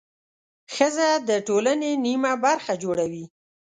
ښځه د ټولنې نیمه برخه جوړوي.